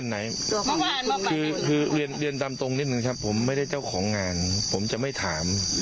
คือเรียนตามตรงนิดนึงครับผมไม่ได้เจ้าของงานผมจะไม่ถาม